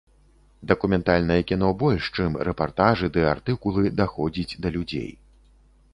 Дакументальнае кіно больш чым рэпартажы ды артыкулы даходзіць да людзей.